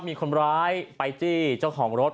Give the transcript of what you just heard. มีคนร้ายไปจี้เจ้าของรถ